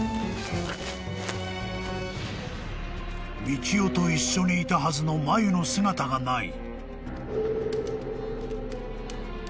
［幹雄と一緒にいたはずのマユの姿がない］